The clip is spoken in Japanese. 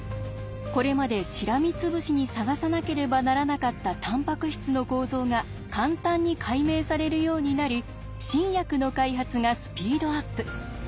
これまでしらみつぶしに探さなければならなかったタンパク質の構造が簡単に解明されるようになり新薬の開発がスピードアップ。